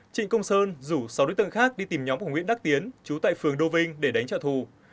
trịnh công sơn rủ sáu đối tượng khác đi tìm nhóm của nguyễn đắc tiến chú tại phường đô vinh để đánh trợ thù